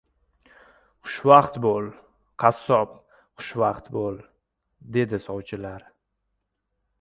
— Xushvaqt bo‘l, qassob, xushvaqt bo‘l, — dedi sovchilar.